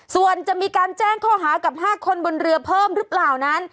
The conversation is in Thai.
ส่วนจะมีการแจ้งข้อหากับ๕คนบนเรือเพิ่มหรือเปล่านั้น